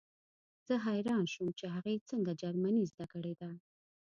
زه حیران شوم چې هغې څنګه جرمني زده کړې ده